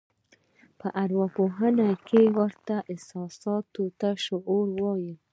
په اروا پوهنه کې ورته احساساتي شور وایي.